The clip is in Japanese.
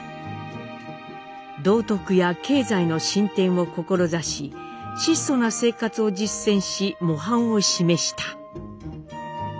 「道徳や経済の進展を志し質素な生活を実践し模範を示した」。